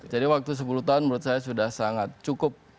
jadi waktu sepuluh tahun menurut saya sudah sangat cukup